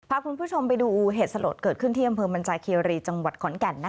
พาคุณผู้ชมไปดูเหตุสลดเกิดขึ้นที่อำเภอมันจาเคียรีจังหวัดขอนแก่น